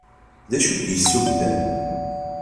D acu k-yessugden?